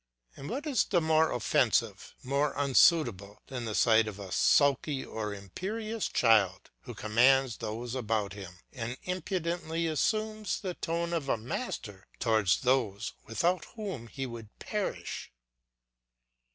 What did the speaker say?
And what is there more offensive, more unsuitable, than the sight of a sulky or imperious child, who commands those about him, and impudently assumes the tones of a master towards those without whom he would perish?